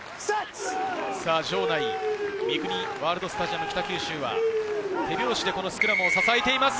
場内、ミクニワールドスタジアム北九州は手拍子でスクラムを支えています。